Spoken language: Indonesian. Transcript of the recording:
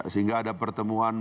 sehingga ada pertemuan